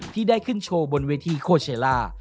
ที่ได้ขึ้นโชว์บนเวทีโคเชล่า